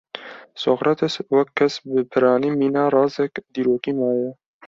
Sokrates wek kes bi piranî mîna razek dîrokî maye.